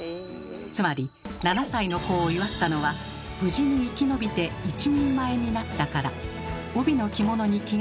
つまり７歳の子を祝ったのは無事に生き延びて一人前になったから。